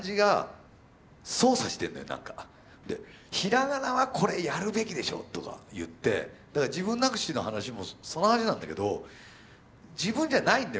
で平仮名は「これやるべきでしょ」とか言ってだから自分なくしの話もその話なんだけど自分じゃないんだよ